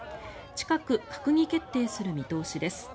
近く閣議決定する見通しです。